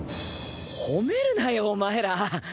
褒めるなよお前ら。